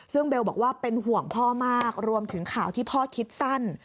ซึ่งเบลบอกว่าเป็นห่วงพ่อมากรวมถึงข่าวที่พ่อคิดสั้น